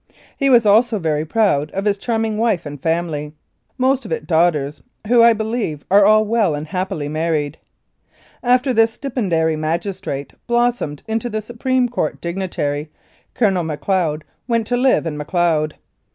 He was also very proud of his charming wife and family, most of it daughters, who, I believe, are all well and happily married. After the stipendiary magistrate blossomed into the Supreme Court dignitary, Colonel I^tacleod went to live in Mac leod.